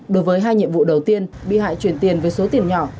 đối với hai nhiệm vụ đầu tiên bị hại chuyển tiền với số tiền nhỏ